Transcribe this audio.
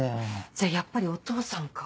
じゃやっぱりお父さんか。